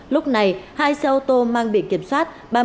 lúc này hai xe ô tô mang biển kiểm soát